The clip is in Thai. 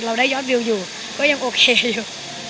เราได้ยอดวิวอยู่ก็ยังโอเคอยู่